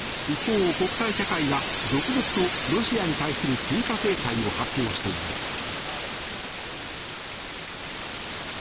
一方、国際社会は続々とロシアに対する追加制裁を発表しています。